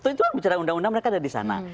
itu kan bicara undang undang mereka ada di sana